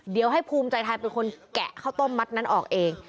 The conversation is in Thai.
เดี๋ยวให้ภูมิใจไทยเป็นคนแกะข้าวต้มมัดนั้นออกเอง